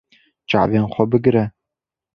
Çavên xwe bigire.